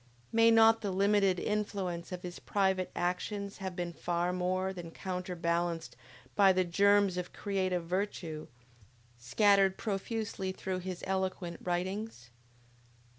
May not the limited influence of his private actions have been far more than counterbalanced by the germs of creative virtues, scattered profusely through his eloquent writings?